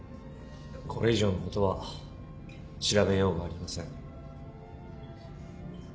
これ以上のことは調べようがありません。